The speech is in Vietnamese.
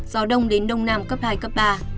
gió đông đến đông nam cấp hai cấp ba